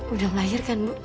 udah melahirkan bu